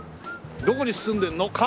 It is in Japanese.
「どこに住んでるの？」